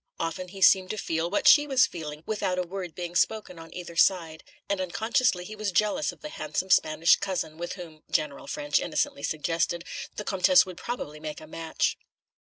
Often he seemed to feel what she was feeling, without a word being spoken on either side, and unconsciously he was jealous of the handsome Spanish cousin with whom (General Ffrench innocently suggested) the Comtesse would probably make a match.